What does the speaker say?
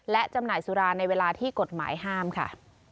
และจำหน่ายสุราในเวลาที่กฎหมายห้ามค่ะ